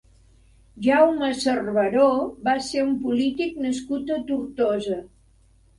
Jaume Cerveró va ser un polític nascut a Tortosa.